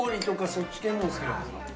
そっち系もお好きなんですか？